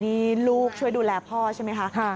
นี่ลูกช่วยดูแลพ่อใช่ไหมคะ